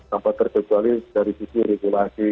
tanpa terkecuali dari sisi regulasi